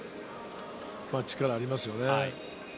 力がありますね。